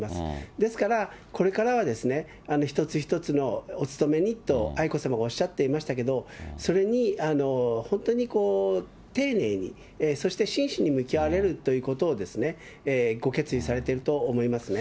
ですから、これからは一つ一つのお務めにと、愛子さまがおっしゃっていましたけど、それに本当に丁寧に、そして真摯に向き合われるということをご決意されてると思いますね。